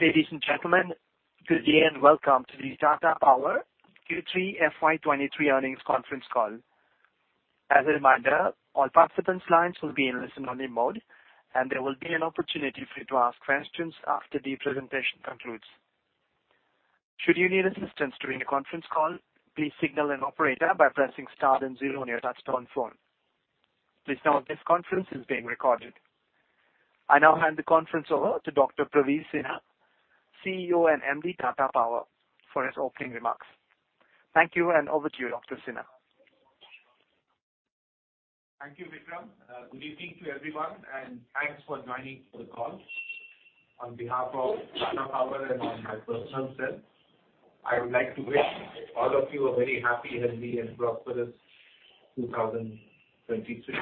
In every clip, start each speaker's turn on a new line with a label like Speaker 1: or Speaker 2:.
Speaker 1: Ladies and gentlemen, good day and welcome to the Tata Power Q3 FY23 earnings conference call. As a reminder, all participants' lines will be in listen-only mode, and there will be an opportunity for you to ask questions after the presentation concludes. Should you need assistance during the conference call, please signal an operator by pressing star then zero on your touchtone phone. Please note this conference is being recorded. I now hand the conference over to Dr. Praveen Sinha, CEO and MD Tata Power, for his opening remarks. Thank you, and over to you, Dr. Sinha.
Speaker 2: Thank you, Bikram. Good evening to everyone, thanks for joining the call. On behalf of Tata Power and on my personal self, I would like to wish all of you a very happy, healthy and prosperous 2023.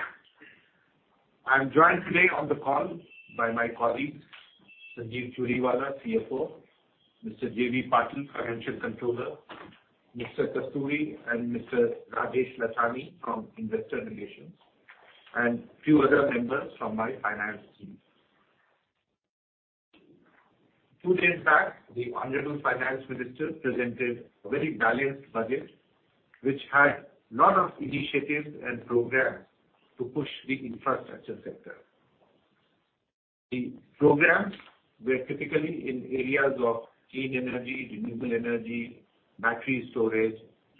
Speaker 2: I'm joined today on the call by my colleagues, Sanjeev Churiwala, CFO, Mr. J.V. Patil, Financial Controller, Mr. Kasturi and Mr. Rajesh Lachhani from Investor Relations, few other members from my finance team. Two days back, the honorable finance minister presented a very balanced budget which had lot of initiatives and programs to push the infrastructure sector. The programs were typically in areas of clean energy, renewable energy, battery storage,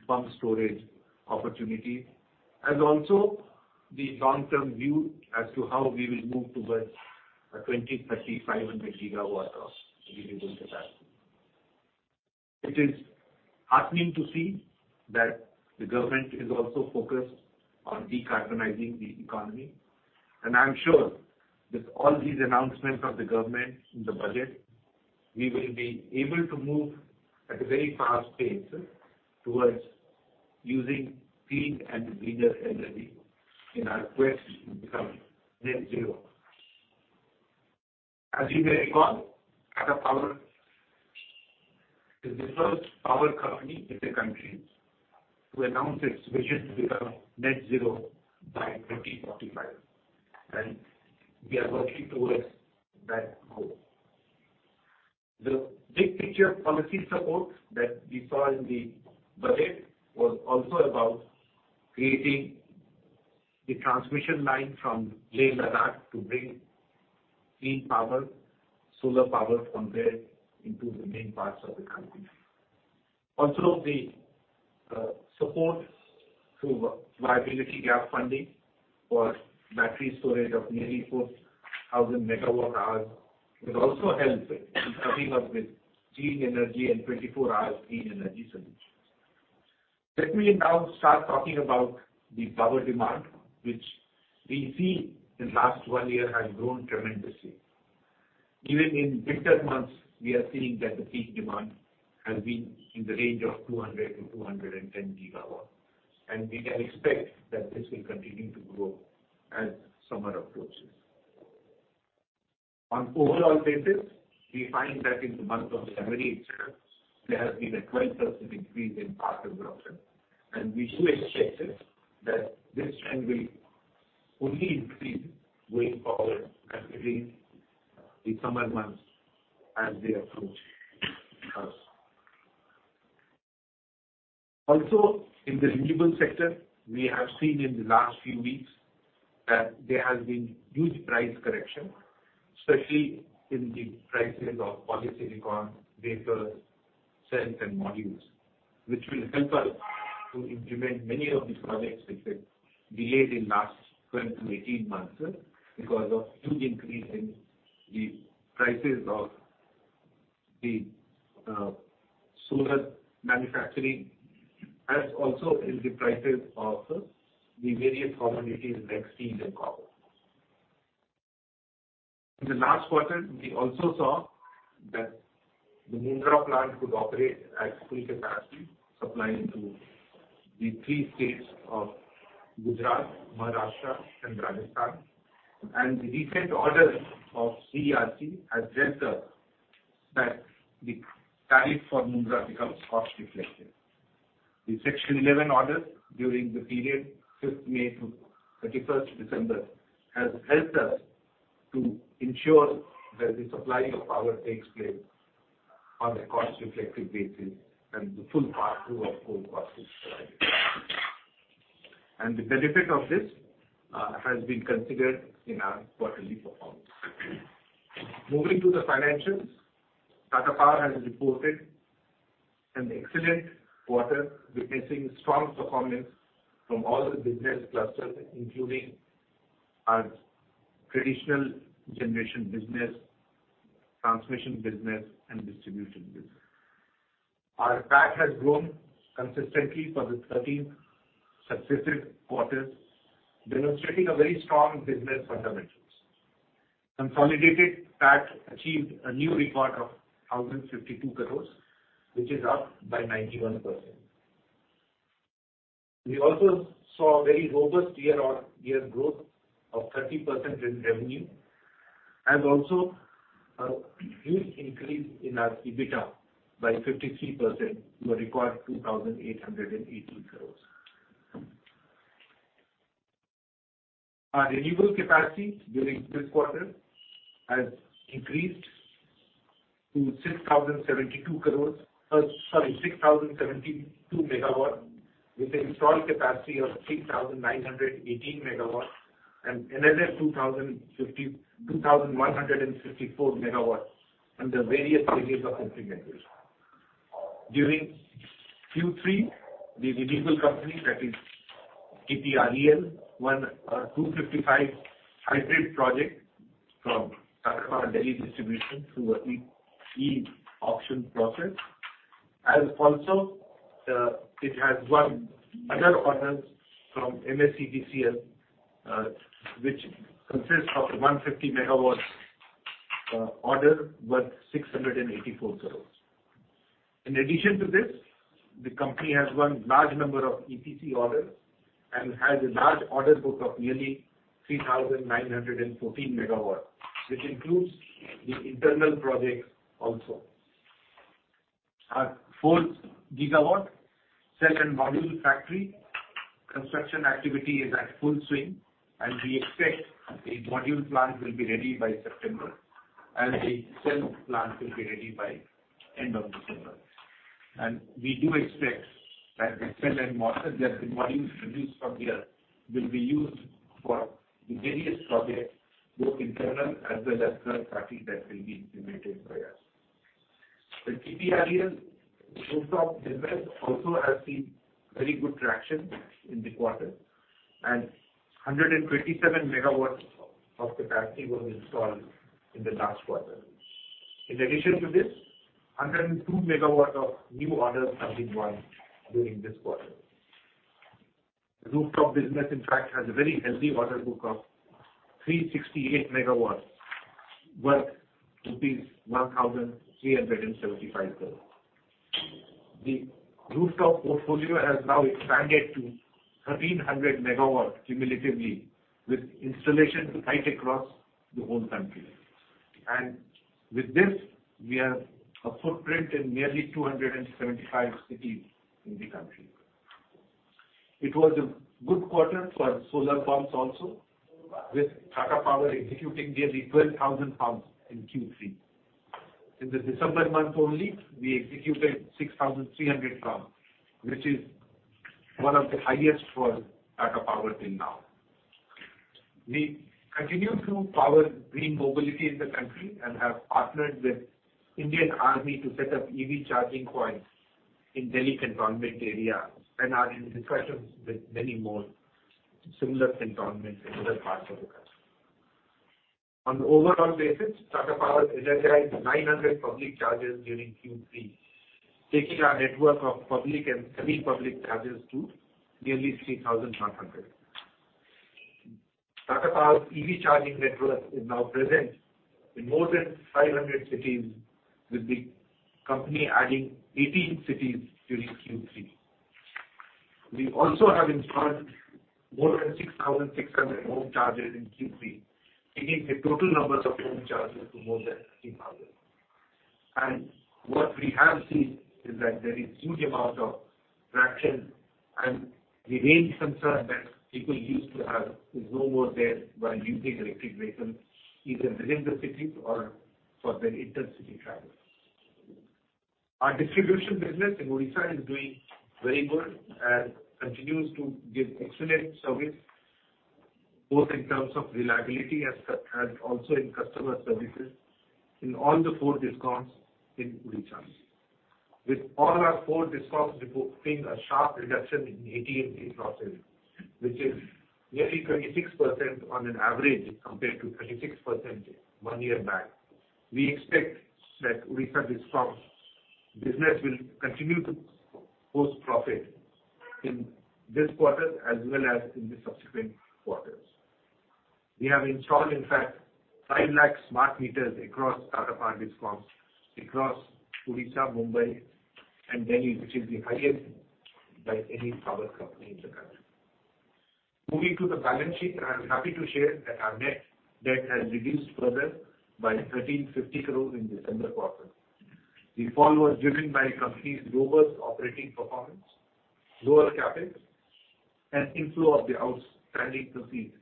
Speaker 2: pump storage opportunities. Also the long-term view as to how we will move towards a 2030 500 gigawatt of renewable capacity. It is heartening to see that the government is also focused on decarbonizing the economy. I am sure with all these announcements of the government in the budget, we will be able to move at a very fast pace towards using clean and greener energy in our quest to become Net Zero. As you may recall, Tata Power is the first power company in the country to announce its vision to become Net Zero by 2045, and we are working towards that goal. The big picture policy support that we saw in the budget was also about creating the transmission line from Leh, Ladakh to bring clean power, solar power from there into the main parts of the country. The support through Viability Gap Funding for battery storage of nearly 4,000 megawatt hours will also help in coming up with clean energy and 24 hours clean energy solutions. Let me now start talking about the power demand, which we see in last 1 year has grown tremendously. Even in winter months, we are seeing that the peak demand has been in the range of 200-210 gigawatt, and we can expect that this will continue to grow as summer approaches. On overall basis, we find that in the month of January itself, there has been a 12% increase in power consumption, and we do expect that this trend will only increase going forward as we reach the summer months as they approach us. Also, in the renewable sector, we have seen in the last few weeks that there has been huge price correction, especially in the prices of polysilicon, wafers, cells and modules. Which will help us to implement many of the projects which had delayed in last 12 to 18 months because of huge increase in the prices of the solar manufacturing, as also in the prices of the various commodities like steel and copper. In the last quarter, we also saw that the Mundra plant could operate at full capacity, supplying to the 3 states of Gujarat, Maharashtra, and Rajasthan. The recent orders of CERC has helped us that the tariff for Mundra becomes cost reflective. The Section 11 orders during the period 5th May to 31st December has helped us to ensure that the supply of power takes place on a cost reflective basis and the full pass through of coal cost is provided. The benefit of this has been considered in our quarterly performance. Moving to the financials, Tata Power has reported an excellent quarter, witnessing strong performance from all the business clusters, including our traditional generation business, transmission business and distribution business. Our PAT has grown consistently for the thirteenth successive quarters, demonstrating a very strong business fundamentals. Consolidated PAT achieved a new record of 1,052 crores, which is up by 91%. We also saw a very robust year-on-year growth of 30% in revenue and also a huge increase in our EBITDA by 53% to a record INR 2,880 crores. Our renewable capacity during this quarter has increased to 6,072 MW, with the installed capacity of 6,918 MW, and another 2,154 MW under various stages of implementation. During Q3, the renewable company that is KPRDL won 255 hybrid projects from Tata Power Delhi Distribution through a e-auction process. Also, it has won other orders from MSEDCL, which consists of 150 megawatts order worth 684 crores. In addition to this, the company has won large number of EPC orders and has a large order book of nearly 3,914 megawatts, which includes the internal projects also. Our 4 gigawatt cell and module factory construction activity is at full swing, and we expect the module plant will be ready by September and the cell plant will be ready by end of December. We do expect that the modules produced from here will be used for the various projects, both internal as well as third party that will be implemented by us. The KPRDL rooftop business also has seen very good traction in the quarter. 127 megawatts of capacity was installed in the last quarter. In addition to this, 102 megawatts of new orders have been won during this quarter. The rooftop business, in fact, has a very healthy order book of 368 megawatts worth INR 1,375 crores. The rooftop portfolio has now expanded to 1,300 megawatts cumulatively, with installations right across the whole country. With this, we have a footprint in nearly 275 cities in the country. It was a good quarter for solar pumps also, with Tata Power executing nearly 12,000 pumps in Q3. In the December month only, we executed 6,300 pumps, which is one of the highest for Tata Power till now. We continue to power green mobility in the country and have partnered with Indian Army to set up EV charging points in Delhi Cantonment area, and are in discussions with many more similar cantonments in other parts of the country. On an overall basis, Tata Power energized 900 public chargers during Q3, taking our network of public and semi-public chargers to nearly 3,100. Tata Power's EV charging network is now present in more than 500 cities, with the company adding 18 cities during Q3. We also have installed more than 6,600 home chargers in Q3, taking the total numbers of home chargers to more than 3,000. What we have seen is that there is huge amount of traction, and the main concern that people used to have is no more there while using electric vehicles, either within the city or for their inter-city travel. Our distribution business in Odisha is doing very good and continues to give excellent service, both in terms of reliability as and also in customer services in all the four discoms in Odisha. With all our four discoms reporting a sharp reduction in AT&C losses, which is nearly 26% on an average compared to 36% one year back. We expect that Odisha discom business will continue to post profit in this quarter as well as in the subsequent quarters. We have installed, in fact, 5 lakh smart meters across Tata Power discoms across Odisha, Mumbai, and Delhi, which is the highest by any power company in the country. Moving to the balance sheet, I am happy to share that our net debt has reduced further by 1,350 crores in December quarter. The fall was driven by company's robust operating performance, lower CapEx, and inflow of the outstanding proceeds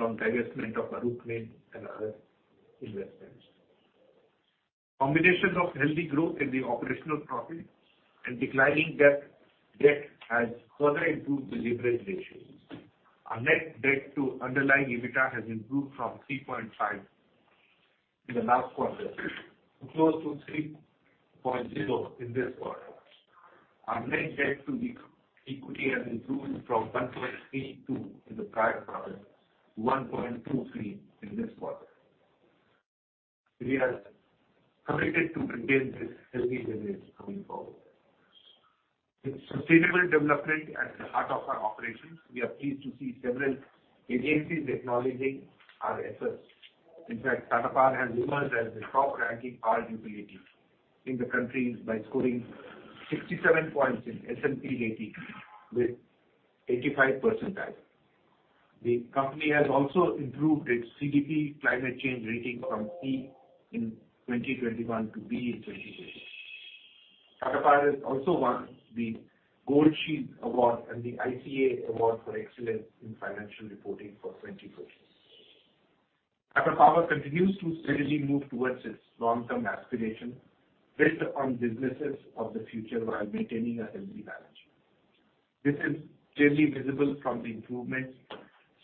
Speaker 2: from divestment of Arutmin and other investments. Combination of healthy growth in the operational profit and declining debt has further improved the leverage ratios. Our net debt to underlying EBITDA has improved from 3.5 in the last quarter to close to 3.0 in this quarter. Our net debt to equity has improved from 1.32 in the prior quarter to 1.23 in this quarter. We are committed to maintain this healthy leverage going forward. With sustainable development at the heart of our operations, we are pleased to see several agencies acknowledging our efforts. In fact, Tata Power has emerged as the top-ranking power utility in the country by scoring 67 points in S&P rating with 85 percentile. The company has also improved its CDP climate change rating from C in 2021 to B in 2022.
Speaker 3: Maithon Power also won the Gold Shield Award and the ICAI Award for Excellence in Financial Reporting for 2020. Tata Power continues to steadily move towards its long-term aspiration based upon businesses of the future while maintaining a healthy balance. This is clearly visible from the improvements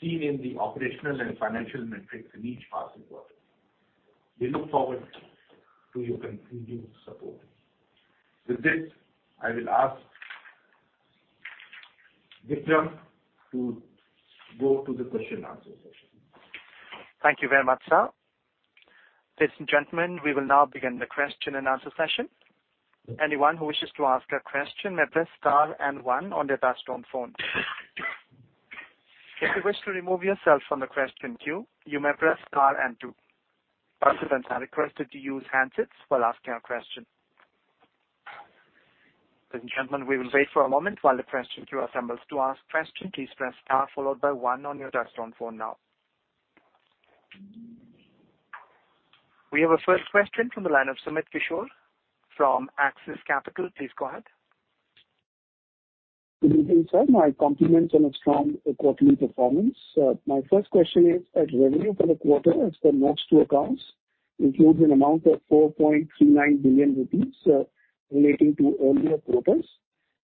Speaker 3: seen in the operational and financial metrics in each passing quarter. We look forward to your continued support. With this, I will ask Bikram to go to the question answer session.
Speaker 1: Thank you very much, sir. Ladies and gentlemen, we will now begin the question and answer session. Anyone who wishes to ask a question may press star and one on their desktop phone. If you wish to remove yourself from the question queue, you may press star and two. Participants are requested to use handsets while asking a question. Ladies and gentlemen, we will wait for a moment while the question queue assembles. To ask question, please press star followed by one on your desktop phone now. We have a first question from the line of Sumit Kishore from Axis Capital. Please go ahead.
Speaker 4: Good evening, sir. My compliments on a strong quarterly performance. My first question is, as revenue for the quarter as per most accounts includes an amount of 4.39 billion rupees, relating to earlier quarters.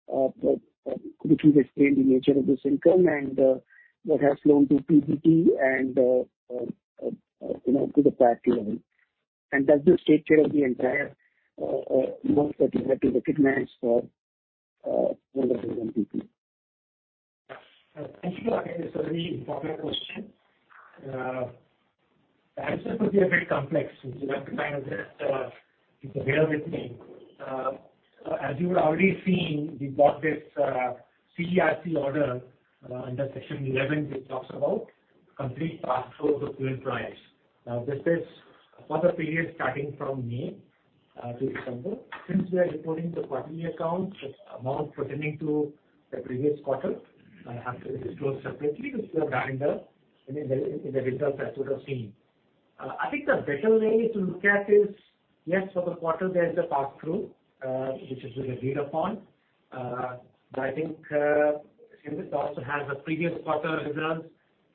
Speaker 4: Could you explain the nature of this income and, what has flown to PBT and, you know, to the PAT level. Does this take care of the entire, amount that you have to recognize for, under the MPP?
Speaker 3: Thank you. I think it's a very important question. The answer could be a bit complex, you have to kind of bear with me. As you would already seen, we got this CERC order under Section 11, which talks about complete pass-through of fuel price. This is for the period starting from May to December. Since we are reporting the quarterly accounts, this amount pertaining to the previous quarter have to be disclosed separately, which we have done in the results as you would have seen. I think the better way to look at is, yes, for the quarter, there's a pass-through which has been agreed upon. I think, since it also has a previous quarter results,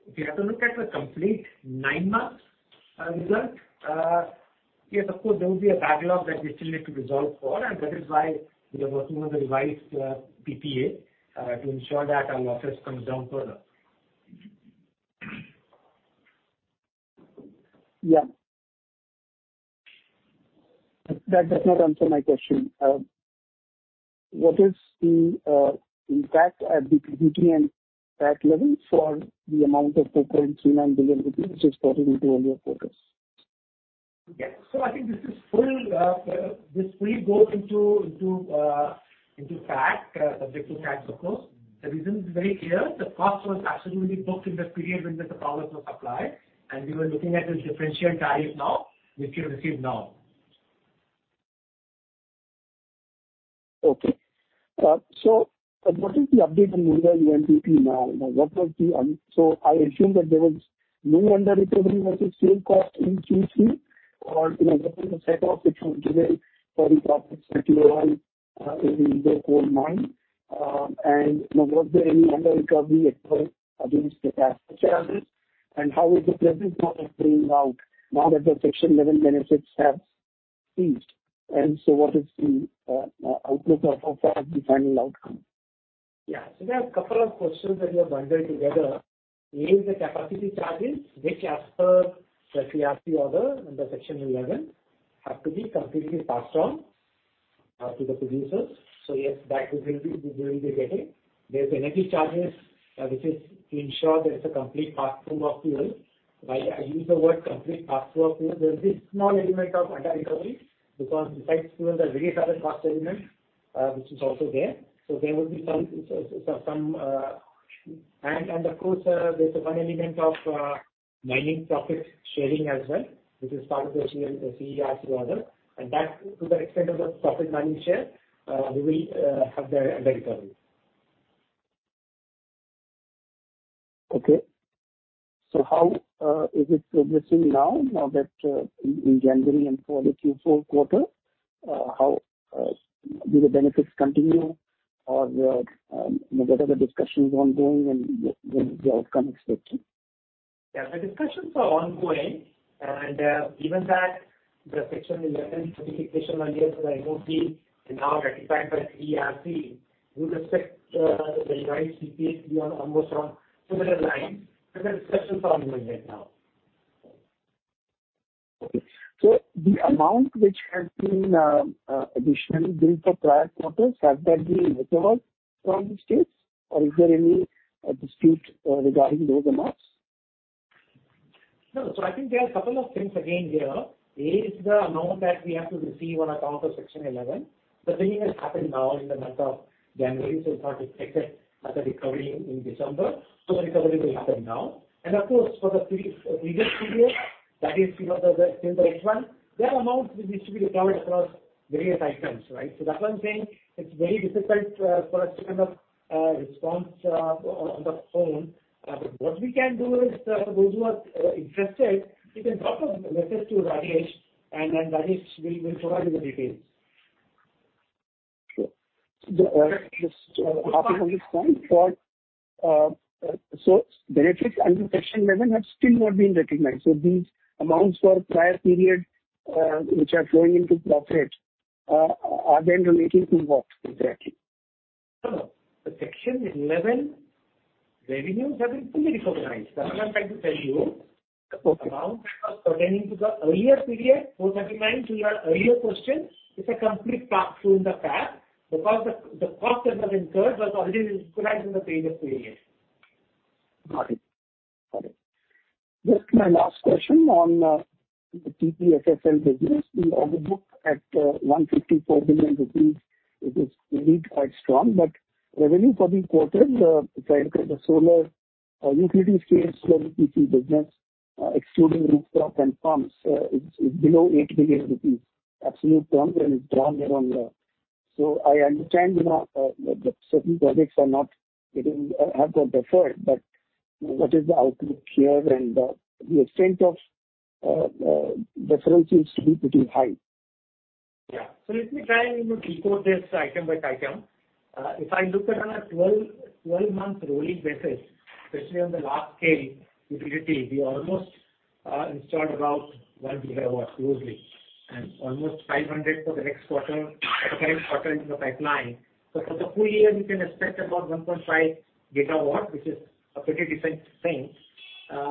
Speaker 3: if you have to look at the complete 9 months, result, yes, of course, there will be a backlog that we still need to resolve for, and that is why we are working on the revised PPA to ensure that our losses come down further.
Speaker 4: That does not answer my question. What is the impact at the PBT and PAT level for the amount of 4.39 billion rupees which is pertaining to earlier quarters?
Speaker 3: Yeah. I think this fully goes into PAT, subject to tax of course. The reason is very clear. The cost was absolutely booked in the period when the power was supplied, and we were looking at a differentiated tariff now, which we receive now.
Speaker 4: Okay. What is the update on the MPP now? I assume that there was no under-recovery versus sale cost in Q3 or, you know, the set off which was given for the profits that you earned, in the whole nine. You know, was there any under-recovery against the capacity charges? How is the present model playing out now that the Section 11 benefits have ceased? What is the outlook of the final outcome?
Speaker 3: There are 2 questions that you have bundled together. A is the capacity charges, which as per the CERC order under Section 11, have to be completely passed on to the producers. Yes, that we will be getting. There's energy charges, which is to ensure there is a complete pass-through of fuel. While I use the word complete pass-through of fuel, there is this small element of under-recovery because besides fuel, there are various other cost elements, which is also there. There will be some. Of course, there's 1 element of mining profit sharing as well, which is part of the CERC order. That to the extent of the profit mining share, we will have the under-recovery.
Speaker 4: How is it progressing now that, in January and for the Q4 quarter, how do the benefits continue or, you know, whether the discussions are ongoing and the outcome expected?
Speaker 3: The discussions are ongoing, and given that the Section 11 certification earlier from the MoP is now ratified by CERC, we would expect the revised PPAs to be on almost on similar lines, but the discussions are ongoing right now.
Speaker 4: Okay. The amount which has been additionally billed for prior quarters, has that been recovered from the states or is there any dispute regarding those amounts?
Speaker 3: No. I think there are a couple of things again here. A is the amount that we have to receive on account of Section 11. The billing has happened now in the month of January, so it's not expected as a recovery in December. The recovery will happen now. Of course, for the pre-previous period, that is till the next one, there are amounts which need to be recovered across various items, right? That one thing. It's very difficult for us to have a response on the phone. But what we can do is, those who are interested, you can drop a message to Rajesh and then Rajesh will provide you the details.
Speaker 4: Sure. The
Speaker 3: Yes.
Speaker 4: -half of this 0.4, so benefits under Section 11 have still not been recognized. These amounts for prior period, which are flowing into profit, are then relating to what exactly?
Speaker 3: No, no. The Section 11 revenues have been fully recognized. What I'm trying to tell you-
Speaker 4: Okay.
Speaker 3: the amount that was pertaining to the earlier period, INR 439, to your earlier question, it's a complete pass through in the PPAC because the cost that was incurred was already recognized in the previous period.
Speaker 4: Got it. Got it. Just my last question on the TPTCL business. In order book at 154 billion rupees, it is indeed quite strong. Revenue for the quarter, if I look at the solar utility scale for EPC business, excluding rooftop and pumps, it's below 8 billion rupees. Absolute terms and it's down year-on-year. I understand, you know, that certain projects are not getting deferred, but what is the outlook here and the extent of deferrals seems to be pretty high.
Speaker 3: Yeah. Let me try and, you know, decode this item by item. If I look at on a 12-month rolling basis, especially on the large scale utility, we almost installed about 1 GW roughly, and almost 500 for the next quarter and the current quarter into the pipeline. For the full year, you can expect about 1.5 GW, which is a pretty decent thing.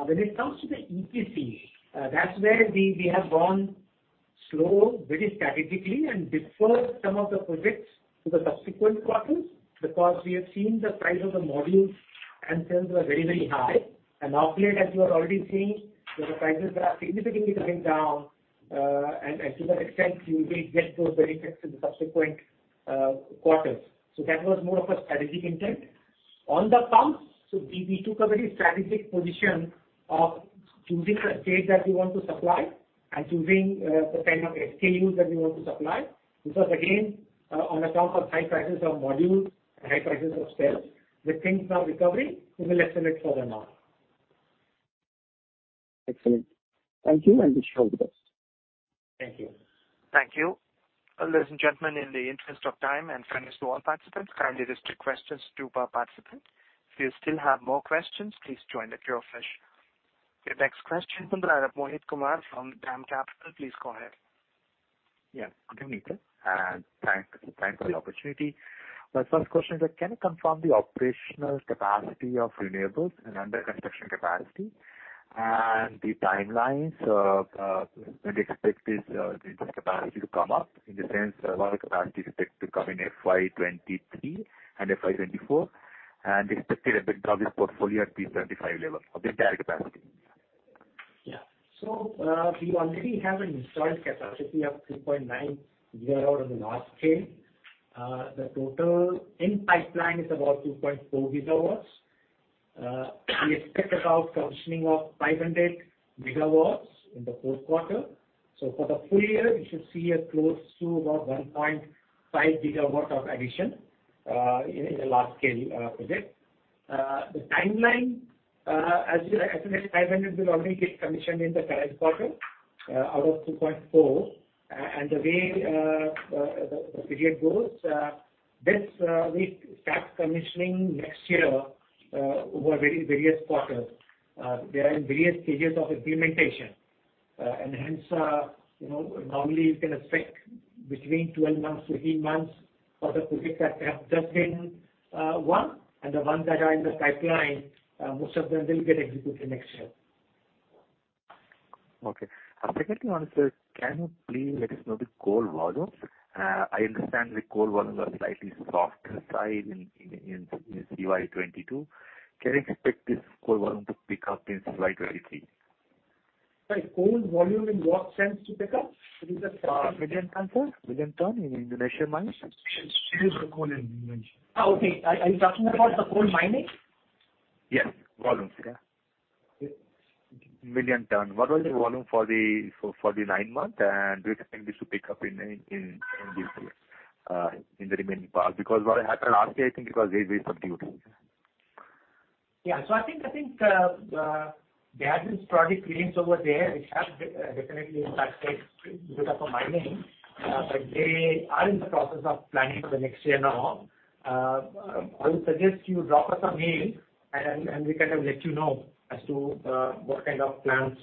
Speaker 3: When it comes to the EPC, that's where we have gone slow, very strategically, and deferred some of the projects to the subsequent quarters because we have seen the price of the modules and cells were very, very high. Now, Kulat, as you are already seeing, that the prices are significantly coming down. To that extent, you will get those benefits in the subsequent quarters. That was more of a strategic intent. On the pumps, we took a very strategic position of choosing the states that we want to supply and choosing the kind of SKUs that we want to supply. This was again on account of high prices of modules and high prices of cells. With things now recovering, we will accelerate further now.
Speaker 4: Excellent. Thank you and wish you all the best.
Speaker 3: Thank you.
Speaker 1: Thank you. Ladies and gentlemen, in the interest of time and fairness to all participants, kindly just 2 questions, 2 per participant. If you still have more questions, please join the cure session. The next question from Mohit Kumar from DAM Capital. Please go ahead.
Speaker 5: Good evening, Thank for the opportunity. My first question is that can you confirm the operational capacity of renewables and under construction capacity and the timelines, when you expect this capacity to come up? In the sense, a lot of capacity is expected to come in FY 23 and FY 24, and the expected impact of this portfolio at P 75 level of the direct capacity.
Speaker 3: Yeah. We already have an installed capacity of 3.9 gigawatt on the large scale. The total in pipeline is about 2.4 gigawatts. We expect about commissioning of 500 gigawatts in the fourth quarter. For the full year, we should see a close to about 1.5 gigawatt of addition in the large scale project. The timeline, as I said, 500 will already get commissioned in the current quarter out of 2.4. The way the period goes, this, we start commissioning next year over various quarters. They are in various stages of implementation. And hence, you know, normally you can expect between 12 months to 18 months for the projects that have just been won. The ones that are in the pipeline, most of them will get executed next year.
Speaker 5: Okay. Secondly, I want to say, can you please let us know the coal volumes? I understand the coal volumes are slightly softer side in CY 2022. Can you expect this coal volume to pick up in CY 2023?
Speaker 3: Sorry, coal volume in what sense to pick up? It is a-.
Speaker 5: million tons, sir. Million ton in the ratio mines.
Speaker 4: Shipment coal in mines.
Speaker 3: Okay. Are you talking about the coal mining?
Speaker 5: Yes. Volumes. Yeah.
Speaker 3: Okay.
Speaker 5: Million ton. What was the volume for the 9 month, and do you think this should pick up in this year, in the remaining part? What happened last year, I think it was very subdued.
Speaker 3: I think, there have been project wins over there which have definitely impacted data for mining. They are in the process of planning for the next year now. I would suggest you drop us a mail and we can let you know as to what kind of plans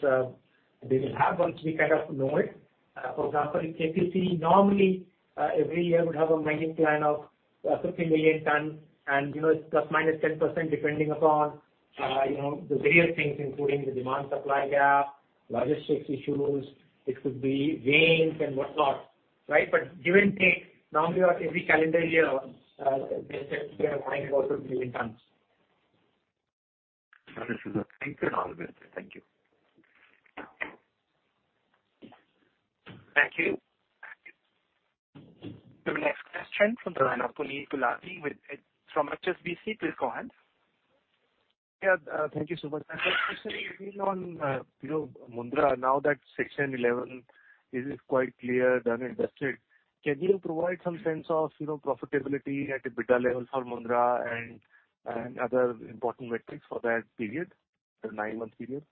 Speaker 3: they will have once we kind of know it. For example, in KPC, normally, every year we'd have a mining plan of 50 million tons and, you know, it's plus minus 10% depending upon, you know, the various things including the demand supply gap, logistics issues, it could be rains and whatnot, right? Give and take, normally on every calendar year, they tend to have mining of about 50 million tons.
Speaker 5: Understood, sir. Thank you and all the best. Thank you.
Speaker 1: Thank you. The next question from the line of Puneet Gulati with... From HSBC. Please go ahead.
Speaker 6: Yeah. thank you, Subodh. I have a question again on, you know, Mundra. Now that Section 11 is quite clear, done and dusted, can you provide some sense of, you know, profitability at EBITDA level for Mundra and other important metrics for that period, the 9-month period?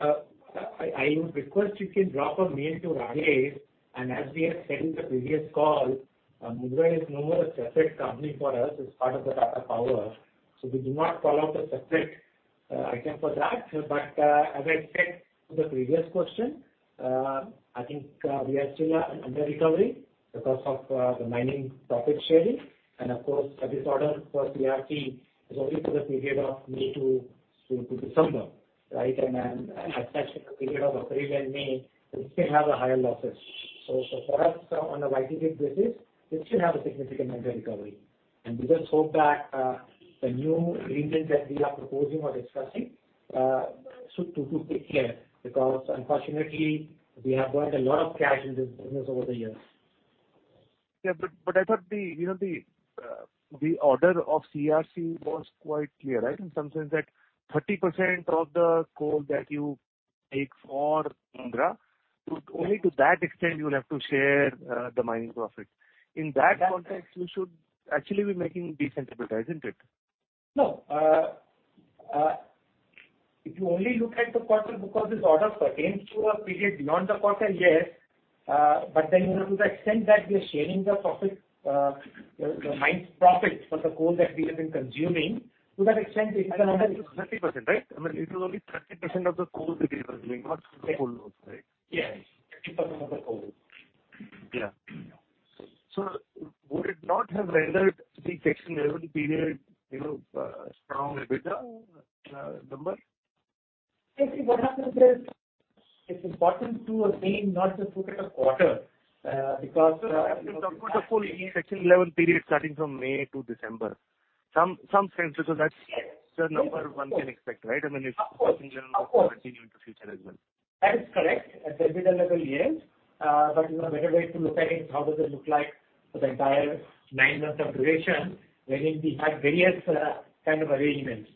Speaker 3: I would request you can drop a mail to Rajesh. As we had said in the previous call, Mundra is no more a separate company for us. It's part of the Tata Power, we do not call out a separate item for that. As I said to the previous question, I think we are still under recovery because of the mining profit sharing. Of course, the disorder for CERC is only for the period of May to December, right? Especially the period of April and May, we still have higher losses. For us, on a YTD basis, we still have a significant under recovery. We just hope that the new agreement that we are proposing or discussing to take care. Unfortunately, we have burnt a lot of cash in this business over the years.
Speaker 6: Yeah. I thought the, you know, the order of CERC was quite clear, right? In some sense that 30% of the coal that you take for Mundra, to only to that extent you will have to share the mining profit.
Speaker 3: Yeah.
Speaker 6: In that context, you should actually be making decent EBITDA, isn't it?
Speaker 3: No. If you only look at the quarter because this order pertains to a period beyond the quarter, yes. You know, to the extent that we are sharing the profits, the mine's profits for the coal that we have been consuming, to that extent it will not be-
Speaker 6: That is 30%, right? I mean, it is only 30% of the coal that we are consuming, not the whole load, right?
Speaker 3: Yes. 30% of the coal load.
Speaker 6: Yeah. Would it not have rendered the Section 11 period, you know, a strong EBITDA number?
Speaker 3: Actually, what happens is it's important to, again, not just look at a quarter, because, you know-
Speaker 6: No, I'm talking about the full Section 11 period starting from May to December. Some sense.
Speaker 3: Yes.
Speaker 6: the number one can expect, right? I mean, it's-
Speaker 3: Of course. Of course.
Speaker 6: continuing to future as well.
Speaker 3: That is correct. At the EBITDA level, yes. You know, better way to look at it, how does it look like for the entire nine months of duration wherein we had various, kind of arrangements.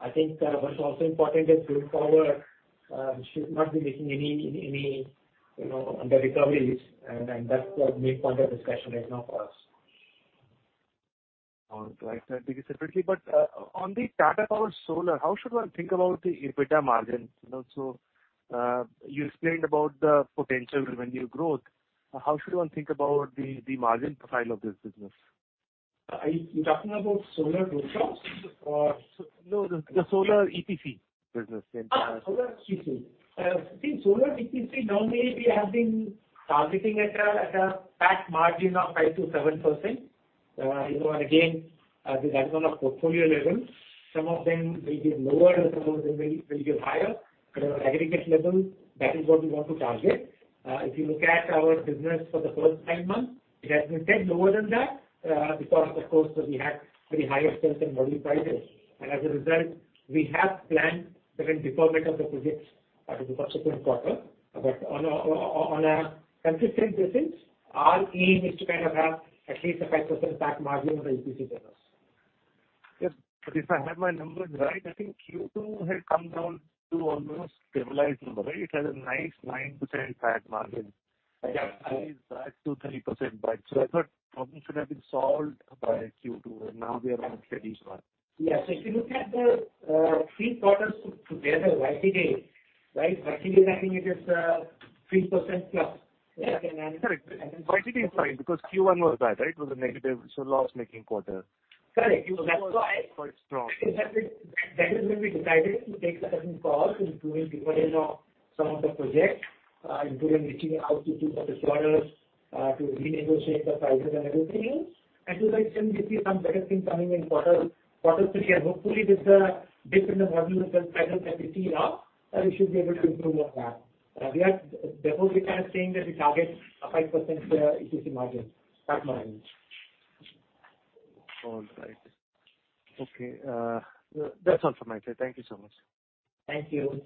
Speaker 3: I think, what's also important is going forward, we should not be making any, you know, under recoveries and that's the main point of discussion right now for us.
Speaker 6: All right. Thank you, separately. On the Tata Power Solar, how should one think about the EBITDA margins? You know, you explained about the potential revenue growth. How should one think about the margin profile of this business?
Speaker 3: Are you talking about solar rooftops or-
Speaker 6: No, the solar EPC business
Speaker 3: solar EPC. I think solar EPC normally we have been targeting at a PAT margin of 5%-7%. you know, again, this is at an portfolio level. Some of them may be lower and some of them may be higher. At an aggregate level, that is what we want to target. If you look at our business for the first 9 months, it has been slightly lower than that because of course we had very high expense in module prices. As a result, we have planned certain deferment of the projects to the subsequent quarter. On a consistent basis, our aim is to kind of have at least a 5% PAT margin on the EPC business.
Speaker 6: Yes. If I have my numbers right, I think Q2 had come down to almost stabilized number. It had a nice 9% PAT margin.
Speaker 3: Yeah.
Speaker 6: That is back to 30%. I thought problem should have been solved by Q2, and now we are on a steady state.
Speaker 3: Yes. If you look at the three quarters together YTD, right? YTD, I think it is 3% plus. Yeah.
Speaker 6: Correct. YTD is fine because Q1 was bad, right? It was a negative, so loss-making quarter.
Speaker 3: Correct. that's why-
Speaker 6: Q2 was quite strong.
Speaker 3: That is when we decided to take a certain call in doing deferment of some of the projects, including reaching out to some of the suppliers, to renegotiate the prices and everything else. To that extent, we see some better things coming in quarter three. Hopefully with the dip in the module prices that we see now, we should be able to improve on that. Therefore, we are kind of saying that we target a 5% EPC margin, PAT margin.
Speaker 6: All right. Okay. That's all from my side. Thank you so much.
Speaker 3: Thank you.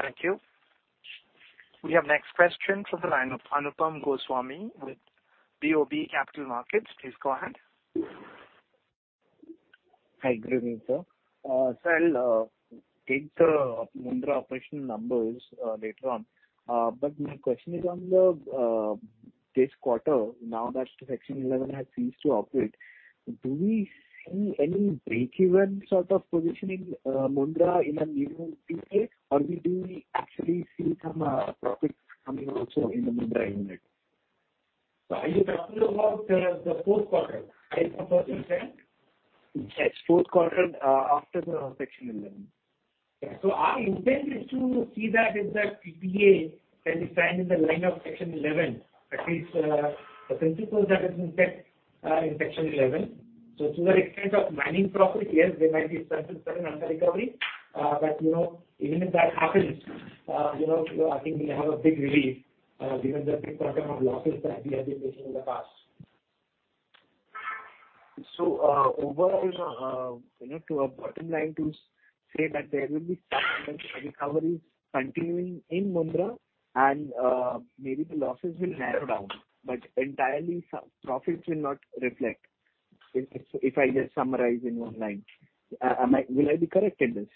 Speaker 1: Thank you. We have next question from the line of Anupam Goswami with BOB Capital Markets. Please go ahead.
Speaker 7: Hi, good evening, sir. I'll take the Mundra operational numbers later on. My question is on this quarter, now that Section 11 has ceased to operate, do we see any breakeven sort of positioning, Mundra in a new PPA? Or do we actually see some profits coming also in the Mundra unit?
Speaker 3: Are you talking about the fourth quarter? Are you referring to that?
Speaker 7: Yes, fourth quarter, after the Section 11.
Speaker 3: Our intent is to see that if that PPA can be signed in the line of Section 11, at least, the principles that has been set in Section 11. To that extent of mining profit, yes, there might be certain under recovery. You know, even if that happens, you know, I think we have a big relief, given the big quantum of losses that we have been making in the past.
Speaker 7: overall, you know, you know, to a bottom line. Say that there will be some recovery continuing in Mundra and, maybe the losses will narrow down, but entirely some profits will not reflect. If I just summarize in one line. Will I be correct in this?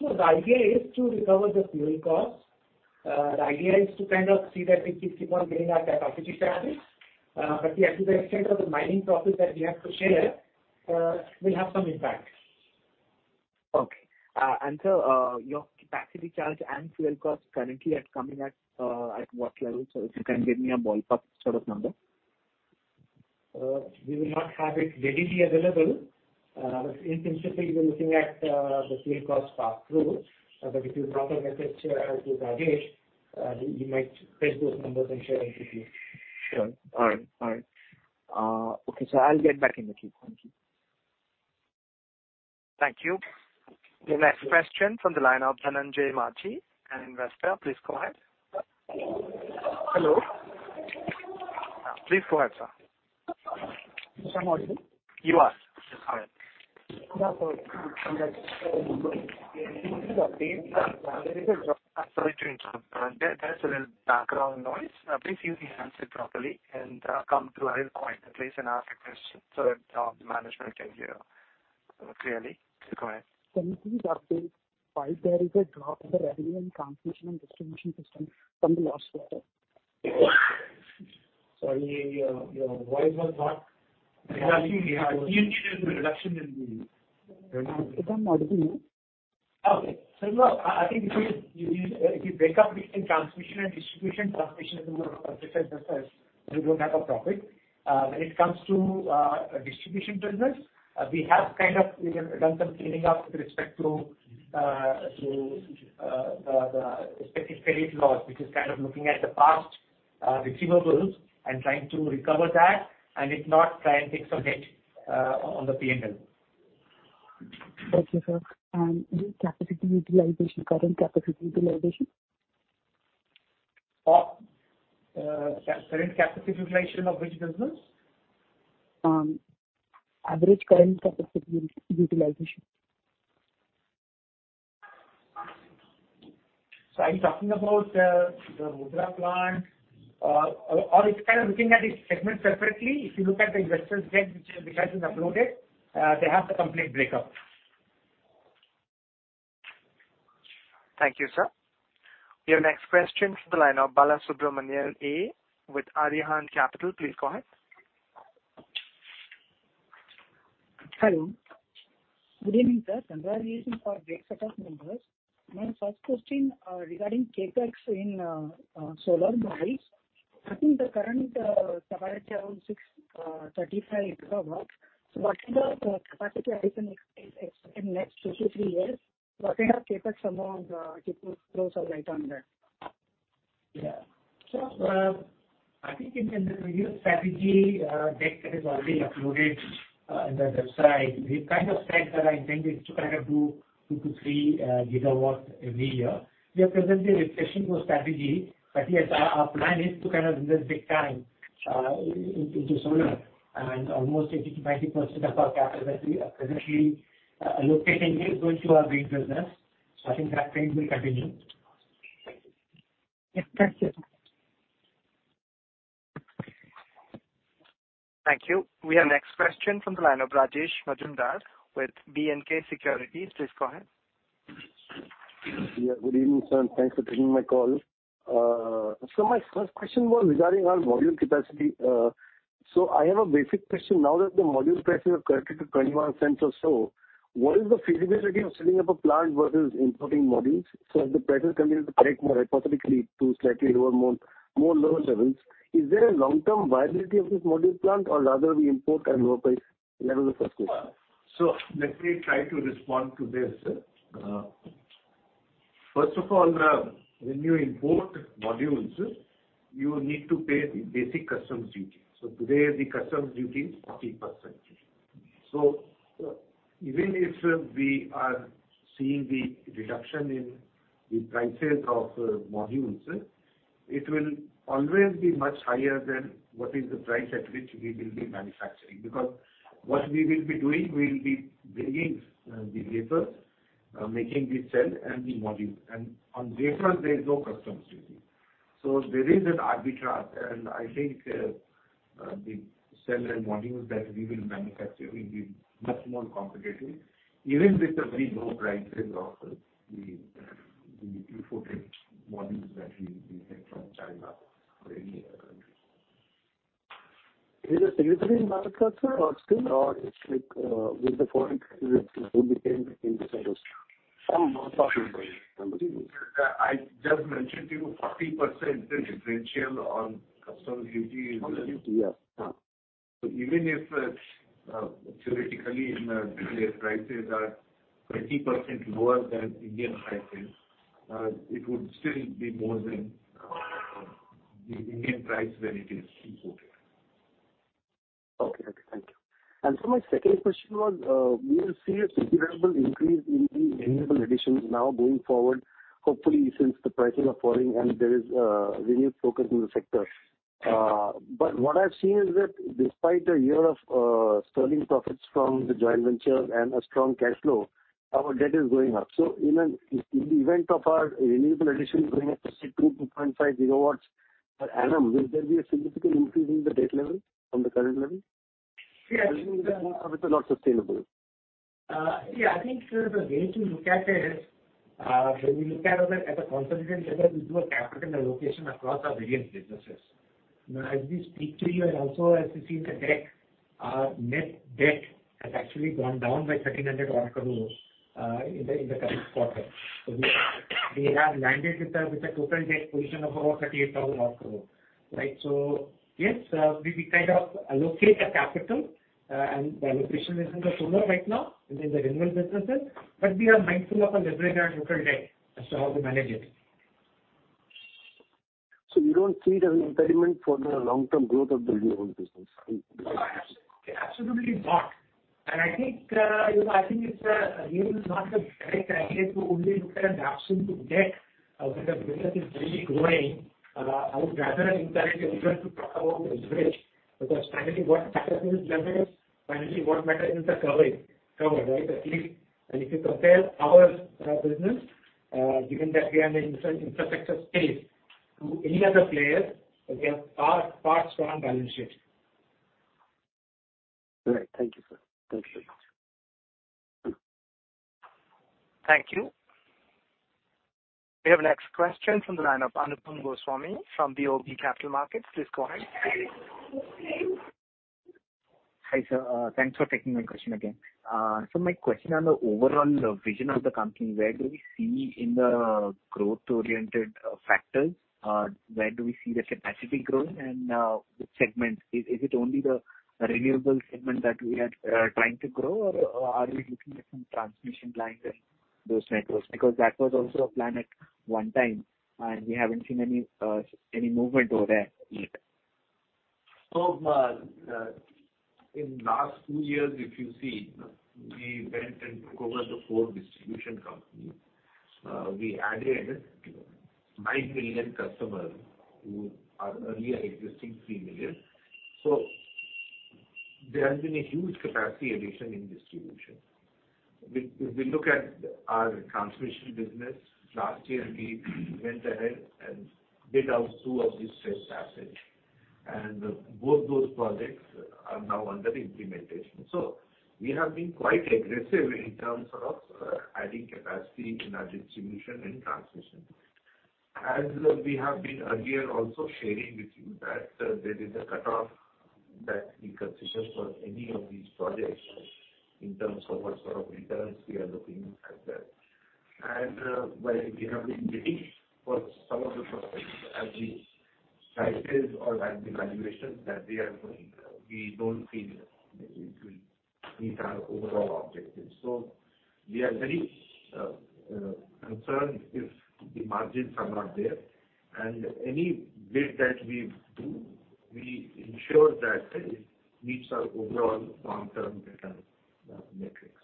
Speaker 2: The idea is to recover the fuel cost. The idea is to kind of see that we keep on getting our capacity charges. Yeah, to the extent of the mining profit that we have to share, will have some impact.
Speaker 7: Okay. Sir, your capacity charge and fuel cost currently are coming at what level? If you can give me a ballpark sort of number.
Speaker 2: We will not have it readily available. In principle, we're looking at the fuel cost pass through. If you drop a message to Rajesh, he might fetch those numbers and share them with you. Sure. All right. All right. Okay, sir, I'll get back in the queue. Thank you.
Speaker 1: Thank you. The next question from the line of Dhananjay Mishra, an investor. Please go ahead.
Speaker 8: Hello.
Speaker 1: Please go ahead, sir.
Speaker 8: Dhananjay.
Speaker 1: You ask. Yes, go ahead. I'm sorry to interrupt. There's a little background noise. Please use the handset properly and come to a very quiet place and ask the question so that the management can hear clearly. Go ahead.
Speaker 8: Can you please update why there is a drop in the revenue in transmission and distribution system from the last quarter?
Speaker 3: Sorry, your voice was not clear.
Speaker 2: I think we had seen little reduction in the revenue.
Speaker 8: It's Dhananjay.
Speaker 3: Okay. No, I think if you break up between transmission and distribution, transmission is a more of a regulated business. We don't have a profit. When it comes to distribution business, we have kind of, you know, done some cleaning up with respect to the Expected Credit Loss, which is kind of looking at the past receivables and trying to recover that, and if not, try and take some hit on the P&L.
Speaker 8: Okay, sir. The capacity utilization, current capacity utilization?
Speaker 3: Current capacity utilization of which business?
Speaker 8: average current capacity utilization.
Speaker 3: Are you talking about the Mundra plant? Or it's kind of looking at each segment separately. If you look at the investor deck which has been uploaded, they have the complete breakup.
Speaker 1: Thank you, sir. Your next question from the line of Bala Subramanian A with Arihant Capital. Please go ahead.
Speaker 9: Hello. Good evening, sir. Congratulations for great set of numbers. My first question, regarding CapEx in solar modules. I think the current capacity around 635 gigawatts. What is the capacity addition is in next two to three years? What is the CapEx amount? If you could throw some light on that.
Speaker 3: Yeah. I think in the previous strategy, deck that is already uploaded, in the website, we've kind of said that our intent is to kind of do 2-3 gigawatts every year. We are presently refreshing those strategies. Yes, our plan is to kind of invest big time, into solar. Almost 80%-90% of our capital that we are presently, allocating is going to our green business. I think that trend will continue.
Speaker 9: Yes. Thank you.
Speaker 1: Thank you. We have next question from the line of Rajesh Majumdar with B&K Securities. Please go ahead.
Speaker 10: Good evening, sir, and thanks for taking my call. My first question was regarding our module capacity. I have a basic question. Now that the module prices have corrected to $0.21 or so, what is the feasibility of setting up a plant versus importing modules? If the prices continue to correct more hypothetically to slightly more lower levels, is there a long-term viability of this module plant or rather we import at lower levels of cost structure?
Speaker 2: Let me try to respond to this. First of all, when you import modules, you need to pay the Basic Customs Duty. Today the customs duty is 40%. Even if we are seeing the reduction in the prices of modules, it will always be much higher than what is the price at which we will be manufacturing. Because what we will be doing, we will be bringing the wafers, making the cell and the module. On wafers there is no customs duty. There is an arbitrage, and I think the cell and modules that we will manufacture will be much more competitive, even with the very low prices of the imported modules that we get from China or any other country.
Speaker 10: Is it already in manufacture or it's like, with the foreign will be paying the customs?
Speaker 2: I'm not talking about-
Speaker 10: Understood.
Speaker 2: I just mentioned to you 40% the differential on customs duty is.
Speaker 10: Custom Duty, yes.
Speaker 2: Even if, theoretically in the wafer prices are 20% lower than Indian prices, it would still be more than the Indian price when it is imported.
Speaker 10: Okay. Okay. Thank you. My second question was, we will see a considerable increase in the renewable additions now going forward, hopefully since the prices are falling and there is a renewed focus in the sector. What I've seen is that despite a year of sterling profits from the joint venture and a strong cash flow, our debt is going up. In the event of our renewable addition going up to 2-2.5 gigawatts per annum, will there be a significant increase in the debt level from the current level?
Speaker 2: Yes.
Speaker 10: Which is not sustainable.
Speaker 2: Yeah, I think the way to look at it is, when we look at a consolidated level, we do a capital allocation across our various businesses. Now, as we speak to you and also as you see the debt, our net debt has actually gone down by 1,300 crore in the current quarter. We have landed with a total debt position of about 38,000 crore, right. Yes, we kind of allocate the capital, and the allocation is in the solar right now and in the renewable businesses. But we are mindful of our leverage and total debt as to how to manage it.
Speaker 10: You don't see it as an impediment for the long-term growth of the renewable business?
Speaker 2: Absolutely not. I think, you know, I think it's really not the correct idea to only look at the absolute debt of when the business is really growing. I would rather encourage everyone to talk about the risk, because finally what matters is levels, finally what matters is the coverage, right? At least if you compare our business, given that we are in the infrastructure space to any other player, we have far, far strong balance sheet.
Speaker 10: Great. Thank you, sir. Thank you very much.
Speaker 1: Thank you. We have next question from the line of Anupam Goswami from BOB Capital Markets. Please go ahead.
Speaker 7: Hi, sir. Thanks for taking my question again. My question on the overall vision of the company, where do we see in the growth-oriented, factors, where do we see the capacity growing and, which segments? Is it only the renewable segment that we are trying to grow or are we looking at some transmission lines and those networks? Because that was also a plan at one time, and we haven't seen any movement over there yet.
Speaker 2: In last two years, if you see, we went and took over the four distribution companies. We added 9 million customers to our earlier existing 3 million. There has been a huge capacity addition in distribution. We look at our transmission business. Last year, we went ahead and bid out two of these stress assets, and both those projects are now under implementation. We have been quite aggressive in terms of adding capacity in our distribution and transmission. As we have been earlier also sharing with you that there is a cutoff that we consider for any of these projects in terms of what sort of returns we are looking at there. While we have been bidding for some of the projects, as we size it or as the valuations that we are doing, we don't feel it will meet our overall objectives. We are very concerned if the margins are not there. Any bid that we do, we ensure that it meets our overall long-term return metrics.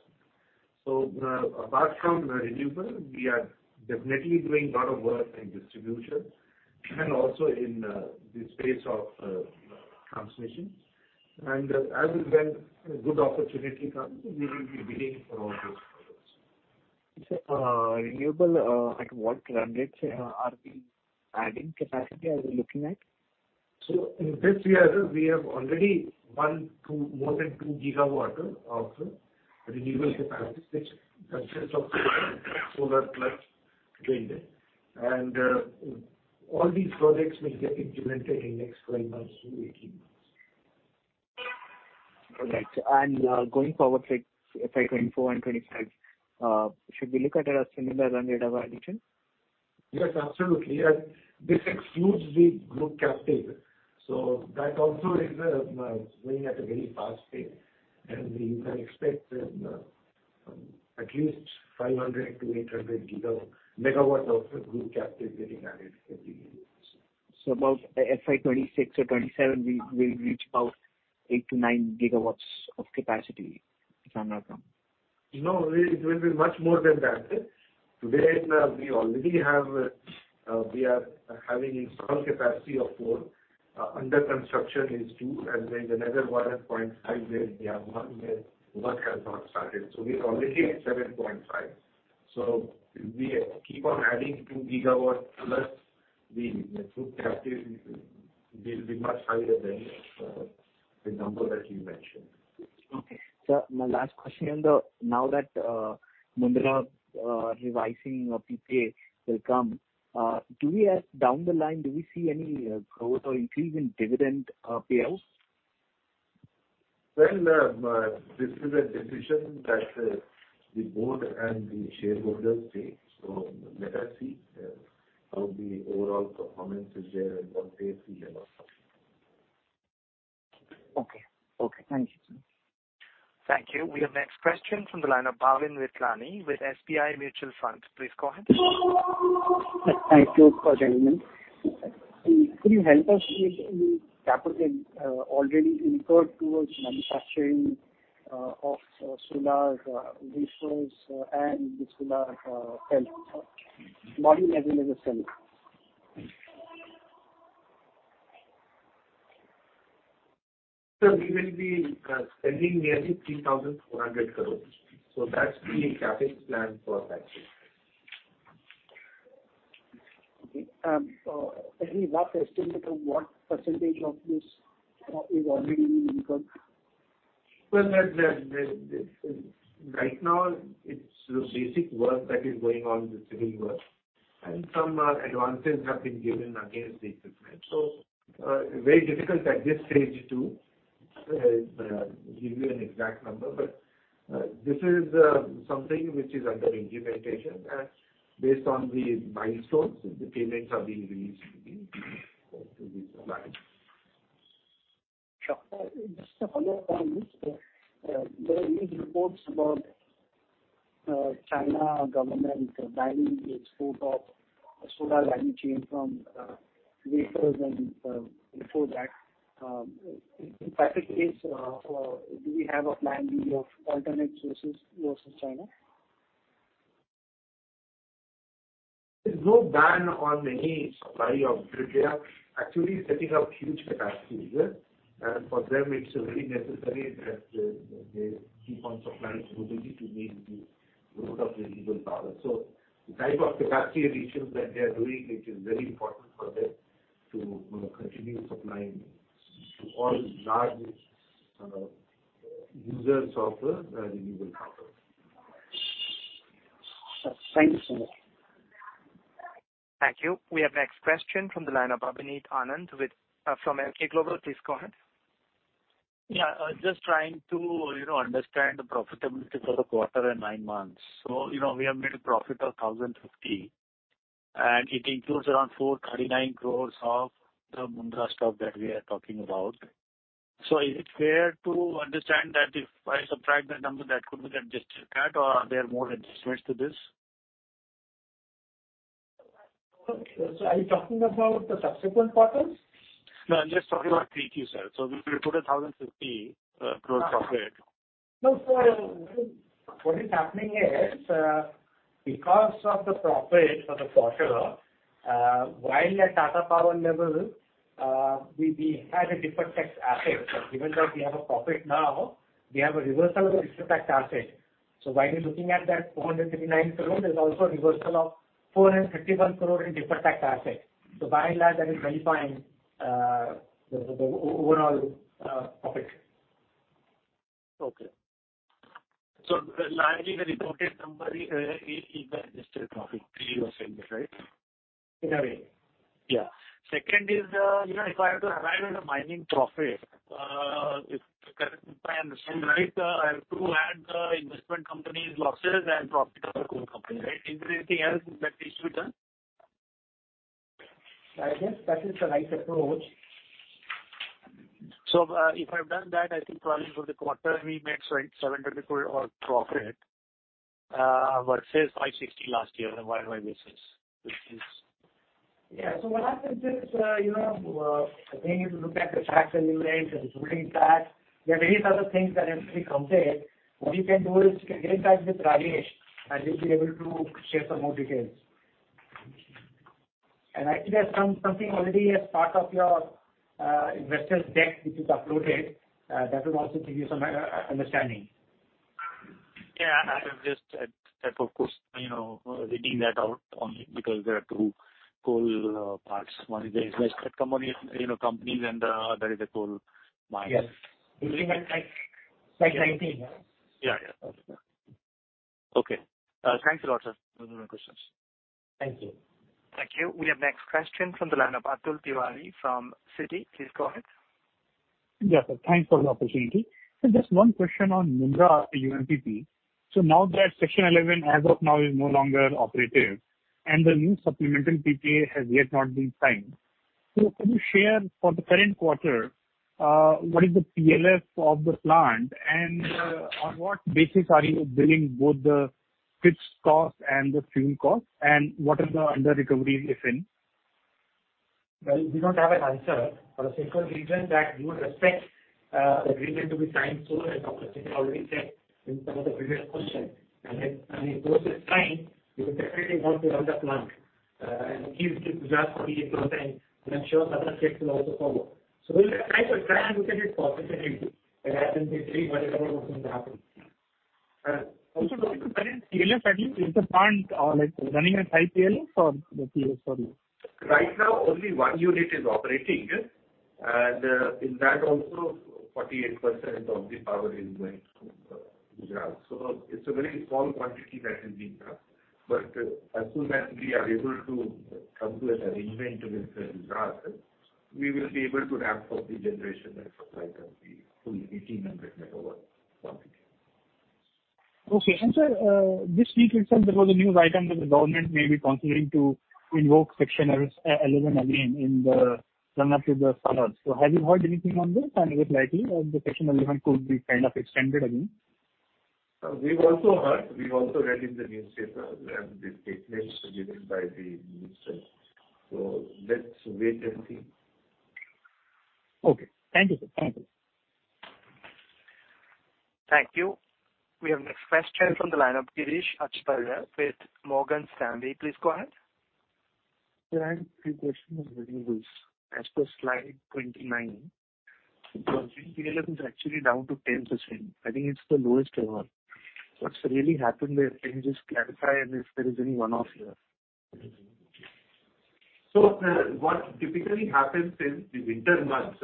Speaker 2: Apart from renewable, we are definitely doing lot of work in distribution and also in the space of transmission. As and when a good opportunity comes, we will be bidding for all those projects.
Speaker 7: Sir, renewable, at what run rates, are we adding capacity? Are we looking at?
Speaker 2: In this year, we have already more than 2 GW of renewable capacity, which consists of solar plus wind. All these projects will get implemented in next 12 months to 18 months.
Speaker 7: All right. Going forward, like FY 2024 and 2025, should we look at a similar run rate of addition?
Speaker 2: Yes, absolutely. This excludes the group captive. That also is going at a very fast pace. We can expect at least 500-800 megawatts of group captive getting added every year.
Speaker 7: About FY26 or FY27, we will reach about 8-9 gigawatts of capacity, if I'm not wrong.
Speaker 2: No, it will be much more than that. Today, we already have, we are having installed capacity of 4. Under construction is 2, and there's another one at 0.5, where we have 1, where work has not started. We're already at 7.5. We keep on adding 2 GW plus the group captive will be much higher than, the number that you mentioned.
Speaker 7: Sir, my last question on the, now that Mundra, revising of PPA will come, do we as, down the line, do we see any growth or increase in dividend payouts?
Speaker 2: This is a decision that, the board and the shareholders take. Let us see, how the overall performance is there and what pace we can offer.
Speaker 7: Okay. Okay. Thank you, sir.
Speaker 1: Thank you. We have next question from the line of Bhavin Vithlani with SBI Mutual Fund. Please go ahead.
Speaker 11: Thank you for joining me. Could you help us with the capital already incurred towards manufacturing?
Speaker 2: Of solar's wafers and the solar cell- module assembly and cell. Sir, we will be spending nearly 3,400 crore. That's the CapEx plan for that year.
Speaker 11: Can you rough estimate of what % of this is already been incurred?
Speaker 2: Well, the Right now it's the basic work that is going on, the civil work. Some advances have been given against the equipment. Very difficult at this stage to give you an exact number. This is something which is under implementation. Based on the milestones, the payments are being released to the suppliers.
Speaker 11: Sure. Just a follow-up on this. There are news reports about China government banning the export of solar value chain from wafers and before that. In fact, in case, do we have a plan B of alternate sources versus China?
Speaker 2: There's no ban on any supply of grid. They are actually setting up huge capacities. For them it's very necessary that they keep on supplying globally to meet the load of renewable power. The type of capacity additions that they are doing, it is very important for them to, you know, continue supplying to all large users of the renewable power.
Speaker 11: Thank you, sir.
Speaker 1: Thank you. We have next question from the line of Abhineet Anand from Emkay Global. Please go ahead.
Speaker 12: Yeah. I was just trying to, you know, understand the profitability for the quarter and nine months. You know, we have made a profit of 1,050, and it includes around 439 crore of the Mundra stock that we are talking about. Is it fair to understand that if I subtract that number, that could be the adjusted PAT, or are there more adjustments to this?
Speaker 3: are you talking about the subsequent quarters?
Speaker 12: No, I'm just talking about 3Q, sir. We reported 1,050 gross profit.
Speaker 3: No. what is happening is because of the profit for the quarter, while at Tata Power level, we had a Deferred Tax Asset. Even though we have a profit now, we have a reversal of the Deferred Tax Asset. While you're looking at that 439 crore, there's also a reversal of 451 crore in Deferred Tax Asset. By and large, that is nullifying the overall profit.
Speaker 12: Okay. Largely the reported number is the adjusted profit 3 years ending, right?
Speaker 3: In a way.
Speaker 12: Yeah. Second is, you know, if I have to arrive at a mining profit, if I understand right, I have to add the investment company's losses and profit of the coal company, right? Is there anything else that needs to be done?
Speaker 3: I guess that is the right approach.
Speaker 12: If I've done that, I think probably for the quarter we made 7 billion or profit versus 560 last year on a year-over-year basis, which is...
Speaker 3: Yeah. What happens is, you know, again, if you look at the tax and rates and the tooling tax, there are various other things that need to be considered. What you can do is you can get in touch with Rajesh, and he'll be able to share some more details. I think there's something already as part of your investors deck which is uploaded, that will also give you some understanding.
Speaker 12: Yeah. I was just, sort of, you know, reading that out only because there are two coal parts. One is the investment company, you know, companies, and there is a coal mine.
Speaker 3: Yes. You're looking at slide 19, yeah?
Speaker 12: Yeah, yeah.
Speaker 3: Okay.
Speaker 12: Okay. Thanks a lot, sir. Those are my questions.
Speaker 3: Thank you.
Speaker 1: Thank you. We have next question from the line of Atul Tiwari from Citi. Please go ahead.
Speaker 13: Yes, sir. Thanks for the opportunity. Just 1 question on Mundra UMPP. Now that Section 11 as of now is no longer operative and the new supplemental PPA has yet not been signed. Could you share for the current quarter, what is the PLF of the plant? On what basis are you billing both the fixed cost and the fuel cost? What is the underrecovery, if any?
Speaker 3: Well, we don't have an answer for the simple reason that we would expect the agreement to be signed soon, as Dr. Singh already said in some of the previous questions. If those are signed, we would definitely want to run the plant and give Gujarat 48%. I'm sure other states will also follow. We'll try to plan, look at it positively. It hasn't been 3 months ago, what's going to happen.
Speaker 13: Also looking at the current PLF, I think is the plant, like, running at high PLF or the PL is 40?
Speaker 2: Right now only one unit is operating. In that also 48% of the power is going to Gujarat. It's a very small quantity that is being done. As soon as we are able to come to an arrangement with Gujarat, we will be able to ramp up the generation and supply the full 1,800 megawatt quantity.
Speaker 13: Okay. sir, this week itself there was a news item that the government may be considering to invoke Section 11 again in the run-up to the summer. Have you heard anything on this? Is it likely that the Section 11 could be kind of extended again?
Speaker 2: We've also heard, we've also read in the newspaper and the statements given by the minister. Let's wait and see.
Speaker 13: Okay. Thank you, sir.
Speaker 2: Thank you.
Speaker 1: Thank you. We have next question from the line of Girish Acharya with Morgan Stanley. Please go ahead.
Speaker 14: I have three questions. As per slide 29, your DTL is actually down to 10%. I think it's the lowest ever. What's really happened there? Can you just clarify and if there is any one-off year? What typically happens in the winter months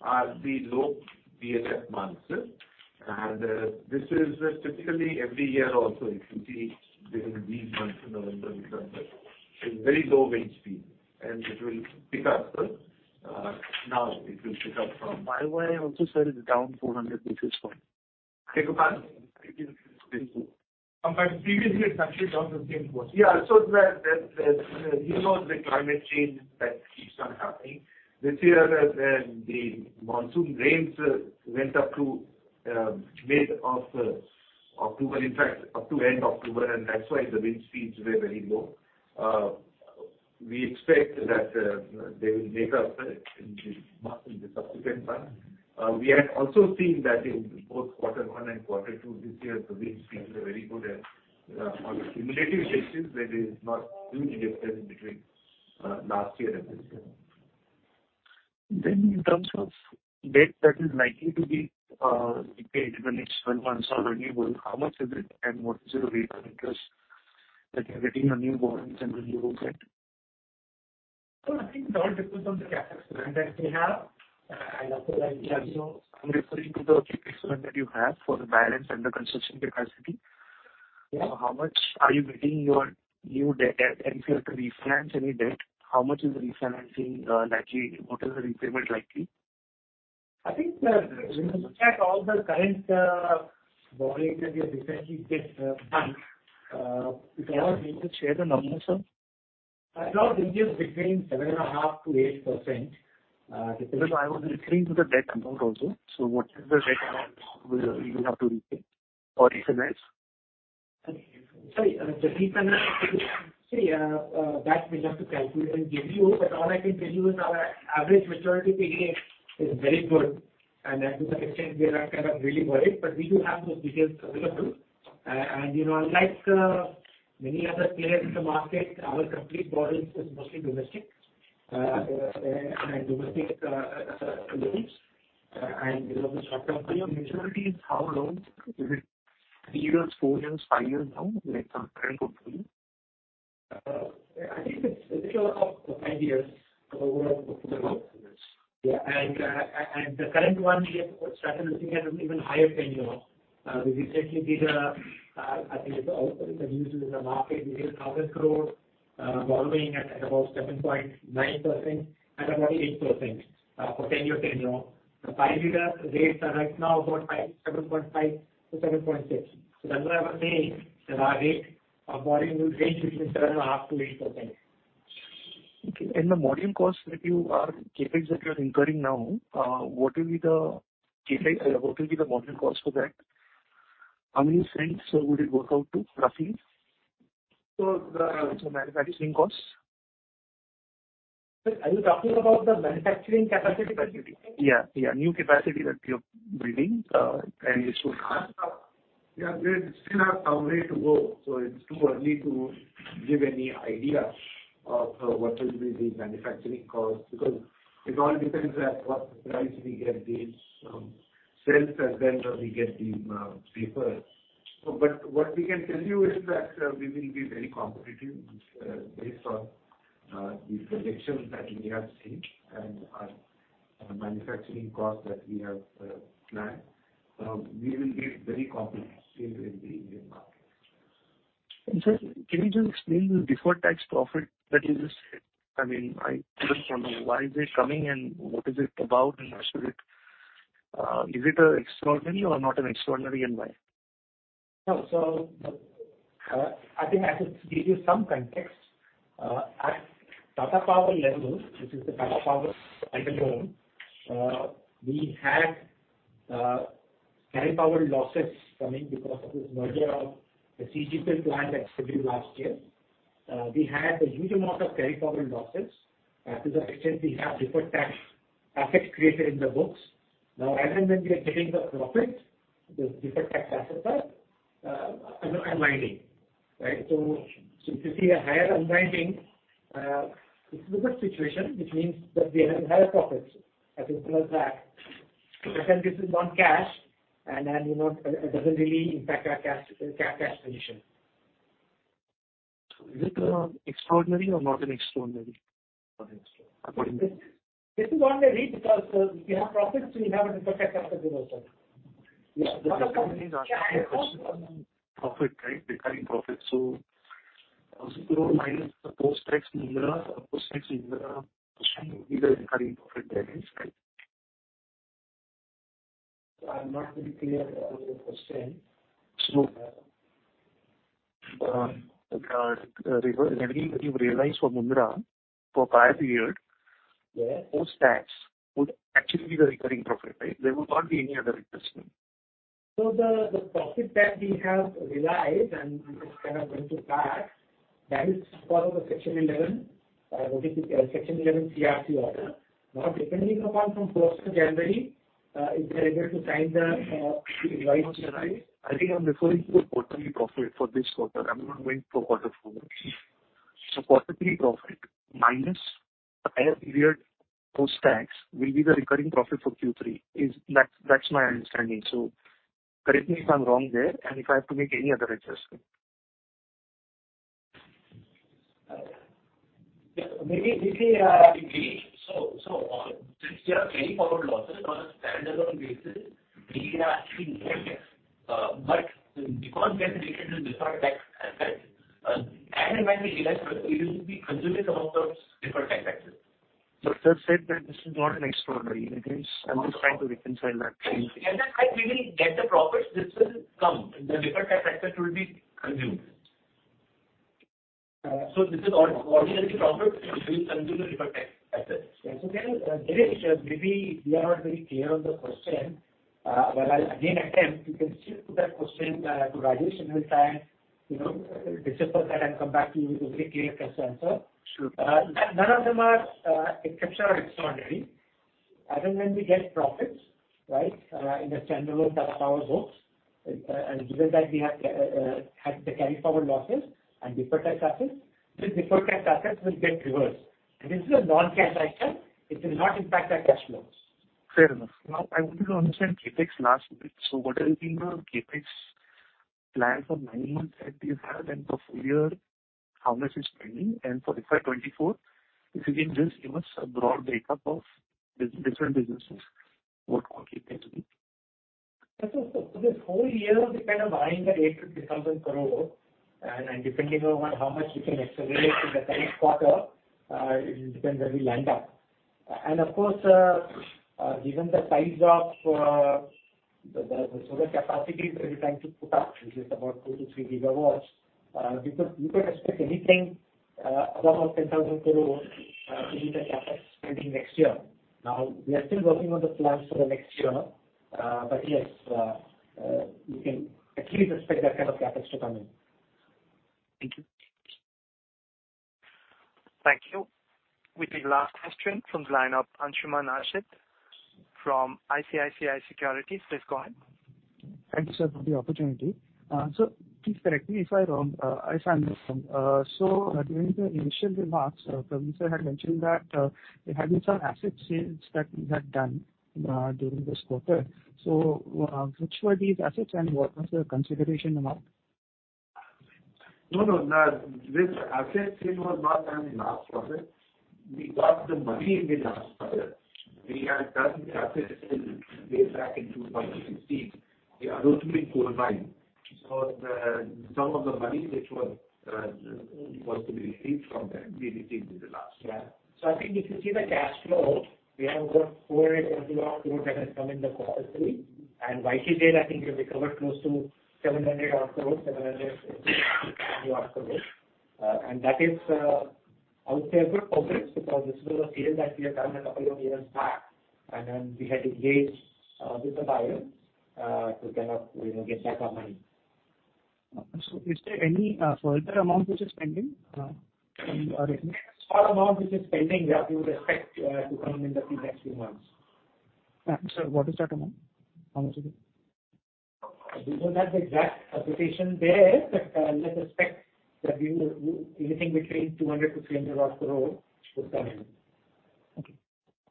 Speaker 14: are the low DHF months. This is typically every year also, if you see during these months, November, December, it's very low wind speed, and it will pick up. Why also, sir, is down 400 basis points?
Speaker 2: Take a while. It is very low. Previously it's actually down to 10 point. Yeah. That, you know, the climate change that keeps on happening. This year, the monsoon rains went up to mid of October, in fact, up to end October, and that's why the wind speeds were very low.
Speaker 15: We expect that they will make up in the subsequent months. We have also seen that in both Q1 and Q2 this year, the wind speeds are very good and on a cumulative basis, there is not huge difference between last year and this year. In terms of debt that is likely to be repaid in the next 12 months or renewable, how much is it and what is the rate of interest that you're getting on new borrowings and renewable debt?
Speaker 2: I think it all depends on the CapEx plan that we have. Also like, you know, I'm referring to the CapEx plan that you have for the balance and the construction capacity. How much are you getting your new debt at? If you have to refinance any debt, how much is the refinancing, what is the repayment likely? I think, when you look at all the current borrowings that we have recently just done, Can you just share the numbers, sir? I thought it is between 7.5%-8%, No, I was referring to the debt amount also. What is the debt amount you will have to repay or refinance?
Speaker 14: Sorry, the refinance. See, that we have to calculate and give you, but all I can tell you is our average maturity period is very good and to that extent we are not really worried, but we do have those details available. You know, unlike many other players in the market, our complete borrowing is mostly domestic, and domestic loans. You know, the Majority is how long? Is it three years, four years, five years now with some current portfolio?
Speaker 2: I think it's a little over five years overall. Yeah. The current one we have started looking at an even higher tenure. We recently did, I think it's also in the news, in the market. We did INR 1,000 crore borrowing at about 7.9% and 8% for 10-year tenure. The five-year rates are right now about 7.5%-7.6%. That's why I would say that our rate of borrowing will range between 7.5%-8%.
Speaker 14: Okay. CapEx that you are incurring now, what will be the CapEx, what will be the module cost for that? How many cents would it work out to, roughly? Manufacturing costs.
Speaker 2: Sir, are you talking about the manufacturing capacity?
Speaker 14: Yeah, yeah, new capacity that you're building and it should come.
Speaker 2: Yeah. We still have some way to go, so it's too early to give any idea of what will be the manufacturing cost, because it all depends at what price we get the cells and then we get the wafers. What we can tell you is that we will be very competitive based on the projections that we have seen and our manufacturing cost that we have planned. We will be very competitive in the Indian market.
Speaker 14: Sir, can you just explain the deferred tax profit that you just said? I mean, I just want to know why is it coming and what is it about and should it, Is it extraordinary or not an extraordinary environment?
Speaker 2: No. I think I should give you some context. At Tata Power level, which is the Tata Power level, we had hydropower losses coming because of this merger of the CGPL plant that happened last year. We had a huge amount of hydropower losses. To that extent, we have deferred tax asset created in the books. Now, as and when we are getting the profits, the deferred tax asset are unwinding, right? If you see a higher unwinding, it's a good situation, which means that we are having higher profits as against last year. This is non-cash and, you know, it doesn't really impact our cash position.
Speaker 14: Is it extraordinary or not an extraordinary?
Speaker 3: This is one way read because if we have profits, we have a Deferred Tax Asset also. profit, right? Recurring profit. Minus the post-tax number or post-tax number should be the recurring profit there, right? I'm not really clear on your question. The revenue that you've realized for Mundra for prior period, yeah, post-tax would actually be the recurring profit, right? There would not be any other adjustment. The profit that we have realized and we are kind of going to tax, that is part of the Section 11, what is it, Section 11 CERC order. Depending upon from 1st of January, in related to time the realized.
Speaker 14: I think I'm referring to the quarterly profit for this quarter. I'm not going for quarter four.
Speaker 3: Okay.
Speaker 14: quarterly profit minus prior period post-tax will be the recurring profit for Q3. That's my understanding. Correct me if I'm wrong there and if I have to make any other adjustment.
Speaker 3: Yeah. Maybe we say.
Speaker 2: Dinesh, so, since we have carryforward losses on a standalone basis, we are actually negative. But because we have taken the Deferred Tax Asset, and when we realize profit, we will be consuming some of those Deferred Tax Assets. Sir said that this is not an extraordinary event. I'm just trying to reconcile that. That's why we will get the profits. This will come. The Deferred Tax Asset will be consumed. This is ordinary profit, which will consume the Deferred Tax Assets.
Speaker 3: Okay. Dinesh, maybe we are not very clear on the question. I'll again attempt. You can still put that question to Rajesh, and he'll try and, you know, decipher that and come back to you with a clear-cut answer.
Speaker 14: Sure.
Speaker 3: None of them are exceptional or extraordinary. Other than we get profits, right, in the standalone Tata Power books, and given that we have had the carryforward losses and Deferred Tax Assets, this Deferred Tax Assets will get reversed. This is a non-cash item. It will not impact our cash flows.
Speaker 15: Fair enough. I wanted to understand CapEx last bit. What has been the CapEx plan for 9 months that you have? For full year, how much is pending? For FY 2024, if you can just give us a broad breakup of different businesses, what all CapEx will be.
Speaker 3: For this whole year, we're kind of eyeing at 83,000 crore. Depending on how much we can accelerate in the current quarter, it depends where we land up. Of course, given the size of the solar capacities that we're trying to put up, which is about 2-3 gigawatts, we could expect anything above 10,000 crore to be the CapEx spending next year. We are still working on the plans for the next year. Yes, you can at least expect that kind of CapEx to come in.
Speaker 14: Thank you.
Speaker 1: Thank you. With the last question from the line of Anshuman Ashit from ICICI Securities. Please go ahead.
Speaker 16: Thank you, sir, for the opportunity. Please correct me if I'm wrong, as I understand. During the initial remarks, Praveer Sir had mentioned that there had been some asset sales that we had done during this quarter. Which were these assets and what was the consideration amount?
Speaker 2: No, no. No. This asset sale was not done in the last quarter. We got the money in the last quarter. We had done the asset sale way back in 2016. Yeah, Adani coal mine. Some of the money which was due was to be received from them, we received in the last quarter.
Speaker 16: Yeah.
Speaker 3: I think if you see the cash flow, we have about 450 crores that has come in the quarter three. YT sale, I think, we recovered close to 700 crores, 750 crores. That is, I would say a good progress because this was a sale that we had done a couple of years back, and then we had to engage with the buyer to kind of, you know, get back our money.
Speaker 16: Is there any further amount which is pending from our end?
Speaker 3: Small amount which is pending that we would expect to come in the few, next few months.
Speaker 16: Sir, what is that amount? How much is it?
Speaker 3: We don't have the exact computation there, but, let's expect that we will do anything between 200 crore-300 crore should come in.
Speaker 17: Okay.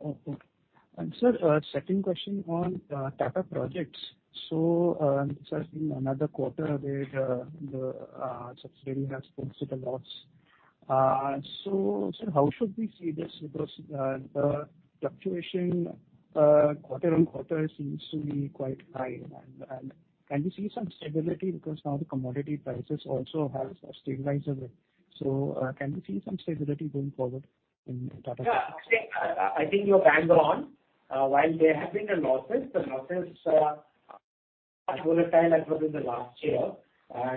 Speaker 17: Okay. Sir, second question on Tata Projects. This has been another quarter where the subsidiary has posted a loss. Sir, how should we see this? Because, the fluctuation quarter-on-quarter seems to be quite high. Can we see some stability? Because now the commodity prices also have stabilized a bit. Can we see some stability going forward in Tata Projects?
Speaker 2: Yeah. See, I think you're bang on. While there have been losses, the losses are as good a time as was in the last year.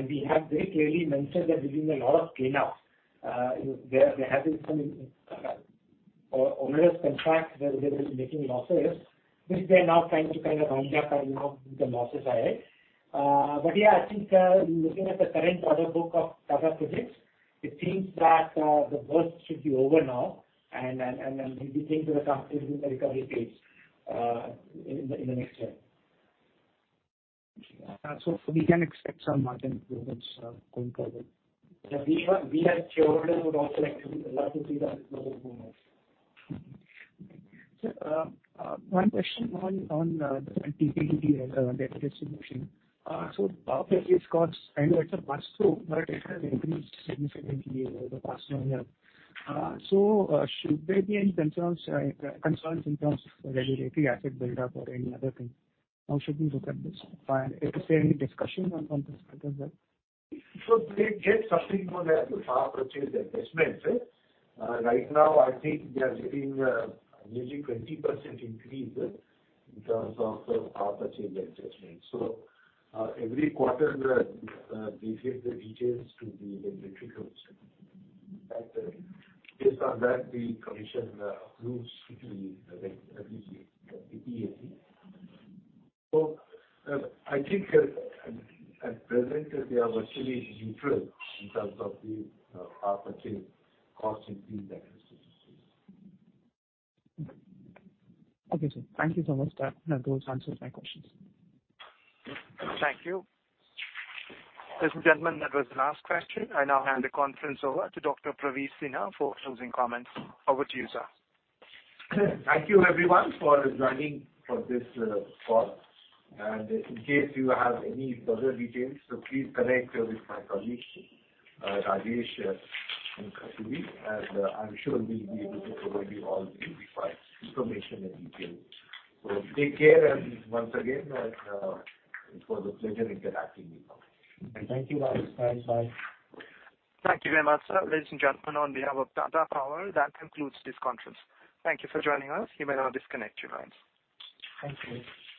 Speaker 2: We have very clearly mentioned that we're doing a lot of cleanups. There have been some onerous contracts where they've been making losses, which we are now trying to kind of wind up and, you know, book the losses ahead. Yeah, I think, looking at the current order book of Tata Projects, it seems that the worst should be over now and we think we are comfortably in the recovery phase in the next year. We can expect some margin improvements going forward. We as shareholders would also like to, love to see that improvement
Speaker 16: Okay. Sir, one question on the TPDD debt distribution. Power purchase costs, I know it's a pass-through, but it has increased significantly over the past one year. Should there be any concerns in terms of regulatory asset buildup or any other thing? How should we look at this? Is there any discussion on this matter, sir?
Speaker 2: They get something called as the Power Purchase Adjustments. Right now, I think they are getting nearly 20% increase in terms of the Power Purchase Adjustments. Every quarter, they give the details to the Electricity Commission. After that, based on that, the Commission approves the PPAC. I think as presented, they are virtually neutral in terms of the power purchase cost and these adjustments.
Speaker 3: Okay. Okay, sir. Thank you so much. That does answer my questions.
Speaker 1: Thank you. Ladies and gentlemen, that was the last question. I now hand the conference over to Dr. Praveer Sinha for closing comments. Over to you, sir.
Speaker 2: Thank you everyone, for joining for this call. In case you have any further details, please connect with my colleagues, Rajesh and Kashish, I'm sure we'll be able to provide you all the required information and details. Take care, and once again, it was a pleasure interacting with you all. Thank you guys. Bye-bye.
Speaker 1: Thank you very much, sir. Ladies and gentlemen, on behalf of Tata Power, that concludes this conference. Thank you for joining us. You may now disconnect your lines.
Speaker 3: Thank you.